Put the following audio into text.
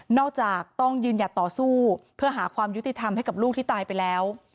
จากต้องยืนหยัดต่อสู้เพื่อหาความยุติธรรมให้กับลูกที่ตายไปแล้ว